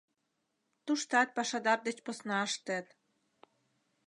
Туштат пашадар деч посна ыштет.